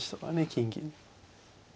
金銀。